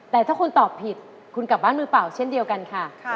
แต่ถ้าคุณตอบผิดคุณกลับบ้านมือเปล่าเช่นเดียวกันค่ะ